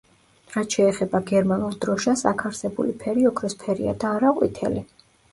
რაც შეეხება გერმანულ დროშას, აქ არსებული ფერი ოქროსფერია და არა ყვითელი.